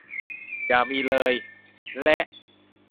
อย่ามีเลย ! และ